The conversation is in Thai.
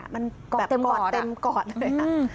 มันแบบกอดเต็มกอดเลยค่ะ